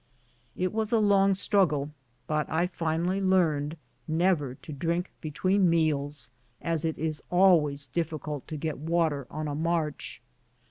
It was a long struggle, but I finally learned never to drink between meals, as it is always difficult to get water on a march.